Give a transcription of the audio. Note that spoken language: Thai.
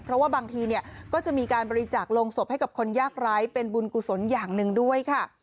เพราะว่าบางทีเนี่ยก็จะมีการบริจาคลงศพให้กับคนยากไร้เป็นบุญกุศลอย่างหนึ่งด้วยค่ะ